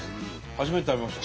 初めて食べました